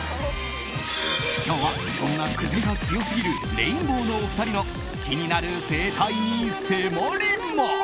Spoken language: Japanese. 今日はそんな癖が強すぎるレインボーのお二人の気になる生態に迫ります。